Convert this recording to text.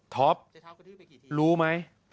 ท็อปรู้ไหม